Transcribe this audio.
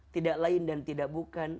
tidak lain dan tidak bukan